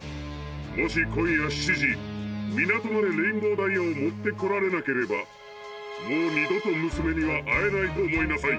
もしこんや７じみなとまでレインボーダイヤをもってこられなければもうにどとむすめにはあえないとおもいなさい。